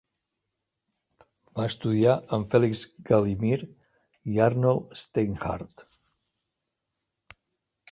Va estudiar amb Felix Galimir i Arnold Steinhardt.